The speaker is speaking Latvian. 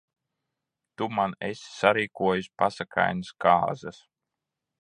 Tu man esi sarīkojis pasakainas kāzas.